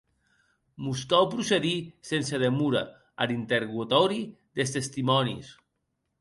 Mos cau procedir sense demora ar interrogatòri des testimònis.